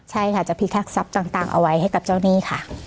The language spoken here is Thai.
ใช่ค่ะจะพิทักษัพต่างเอาไว้ให้กับเจ้าหนี้ค่ะ